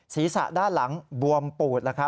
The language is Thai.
ศีรษะด้านหลังบวมปูด